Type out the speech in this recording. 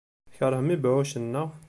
Tkeṛhem ibeɛɛucen, naɣ?